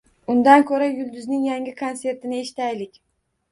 Undan ko`ra Yulduzning yangi konsertini eshitaylik